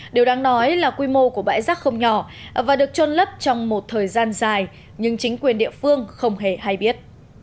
điều đáng nói là quy mô của bãi rác không nhỏ và được trôn lấp trong một thời gian dài nhưng chính quyền địa phương không hề hay biết